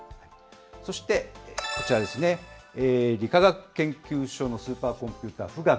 そしてこちらですね、理化学研究所のスーパーコンピューター、富岳。